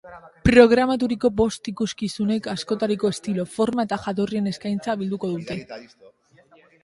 Programaturiko bost ikuskizunek askotariko estilo, forma eta jatorrien eskaintza bilduko dute.